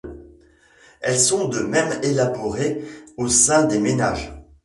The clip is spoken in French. Elles sont de même élaborées au sein des ménages.